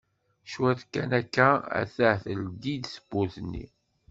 Cwiṭ kan akka attah teldi-d tewwurt-nni.